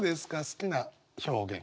好きな表現。